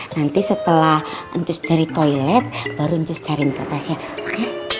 nanti setelah entus dari toilet baru entus cariin papasnya oke